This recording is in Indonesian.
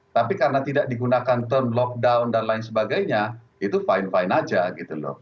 tapi karena tidak digunakan term lockdown dan lain sebagainya itu fine fine aja gitu loh